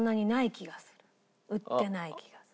売ってない気がする。